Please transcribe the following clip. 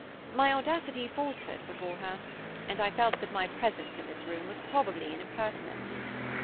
My audacity faltered before her; and I felt that my presence in this room was probably an impertinence.